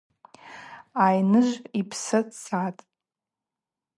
Айныжв йпсы цатӏ.